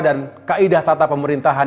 dan kaidah tata pemerintahan